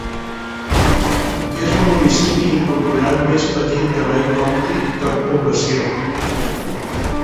És el municipi incorporat més petit de Lake County per població.